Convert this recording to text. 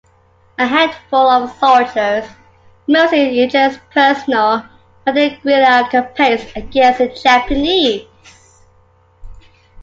A handful of soldiers, mostly indigenous personnel, mounted guerrilla campaigns against the Japanese.